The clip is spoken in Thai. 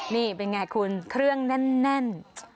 นี่เป็นไงคุณเครื่องแน่น